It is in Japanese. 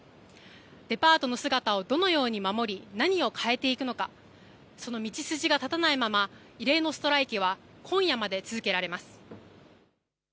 デパートの姿をどのように守り何を変えていくのか、その道筋が立たないまま異例のストライキは今夜まで続けられます。